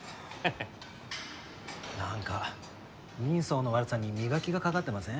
何か人相の悪さに磨きがかかってません？